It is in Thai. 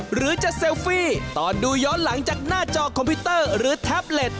หรือจะเซลฟี่ตอนดูย้อนหลังจากหน้าจอคอมพิวเตอร์หรือแท็บเล็ต